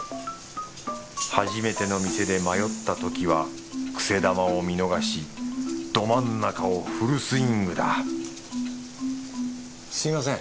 初めての店で迷ったときはくせ球を見逃しど真ん中をフルスイングだすみません。